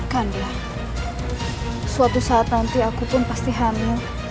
suatu saat nanti aku pun pasti hamil